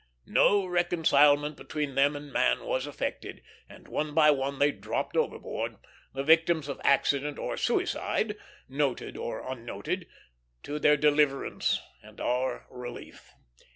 No reconcilement between them and man was effected, and one by one they dropped overboard, the victims of accident or suicide, noted or unnoted, to their deliverance and our relief.